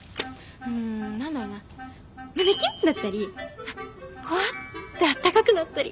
ん何だろうな胸キュンだったりあっほわってあったかくなったり。